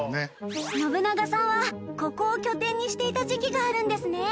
信長さんはここを拠点にしていた時期があるんですね。